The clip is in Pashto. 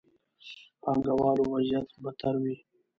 پانګه والو وضعيت بدتر وي.